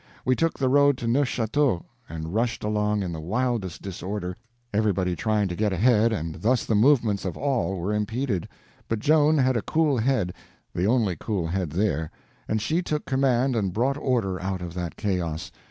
We took the road to Neufchateau, and rushed along in the wildest disorder, everybody trying to get ahead, and thus the movements of all were impeded; but Joan had a cool head—the only cool head there—and she took command and brought order out of that chaos.